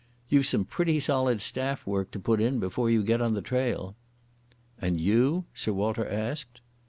You've some pretty solid staff work to put in before you get on the trail." "And you?" Sir Walter asked.